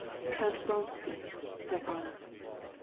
"Count Vronsky," said Anna.